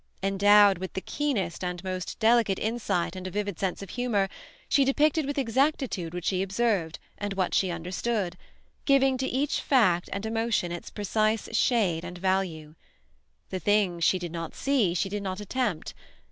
Endowed with the keenest and most delicate insight and a vivid sense of humor, she depicted with exactitude what she observed and what she understood, giving to each fact and emotion its precise shade and value. The things she did not see she did not attempt.